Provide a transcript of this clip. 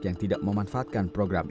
yang tidak memanfaatkan program